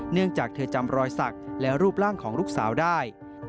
เนื่องจากเธอจำรอยสักและรูปร่างของลูกสาวได้